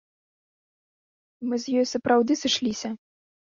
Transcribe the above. Мы з ёй сапраўды сышліся.